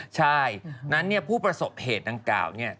ใช่นั้นผู้ประสบเหตุดังกล่าวเนี่ย